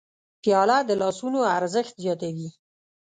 پیاله د لاسونو ارزښت زیاتوي.